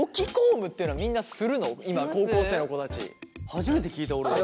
初めて聞いた俺。